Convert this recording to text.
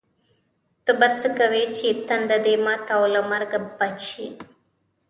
ته به څه کوې چې تنده دې ماته او له مرګه بچ شې.